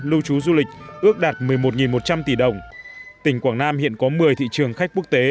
lưu trú du lịch ước đạt một mươi một một trăm linh tỷ đồng tỉnh quảng nam hiện có một mươi thị trường khách quốc tế